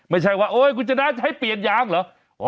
ไม่ใช่ว่าโอ๊ยคุณชนะจะให้เปลี่ยนยางเหรอ